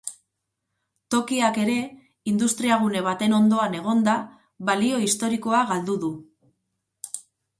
Tokiak ere, industriagune baten ondoan egonda, balio historikoa galdu du.